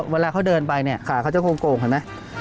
เวลาเขาเดินไปเขาจะโกงเห็นไหม